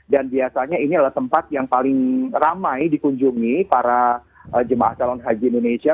biasanya ini adalah tempat yang paling ramai dikunjungi para jemaah calon haji indonesia